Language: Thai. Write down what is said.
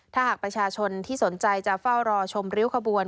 ถ้าหากประชาชนที่สนใจจะเฝ้ารอชมริ้วขบวน